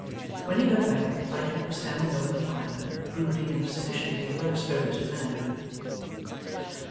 When he got back, Lightwood was standing over the fire, brooding in a sufficiently low spirited manner.